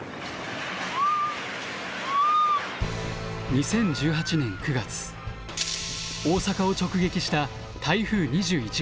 ２０１８年９月大阪を直撃した台風２１号。